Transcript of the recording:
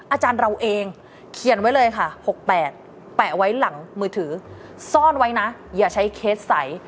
อาจารย์เราเองเขียนไว้เลยค่ะ๖๘แปะไว้หลังมือถือซ่อนไว้นะอย่าใช้เคสใส